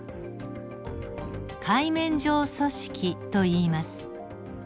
海綿状組織といいます。